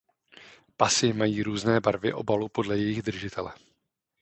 Pasy mají různé barvy obalu podle jejich držitele.